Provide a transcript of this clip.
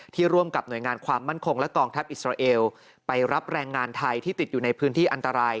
ร่วมกับหน่วยงานความมั่นคงและกองทัพอิสราเอลไปรับแรงงานไทยที่ติดอยู่ในพื้นที่อันตราย